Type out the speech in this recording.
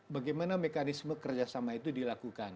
bagaimana mekanisme kerjasama itu dilakukan